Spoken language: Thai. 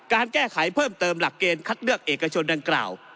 การแก้ไขเพิ่มเติมหลักเกณฑ์คัดเลือกเอกชนดังกล่าว